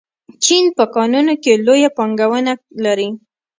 چین په کانونو کې لویه پانګونه لري.